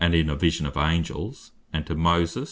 in a Vision of Angels: And to Moses (Exod.